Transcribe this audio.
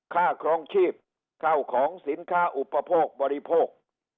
ครองชีพเข้าของสินค้าอุปโภคบริโภค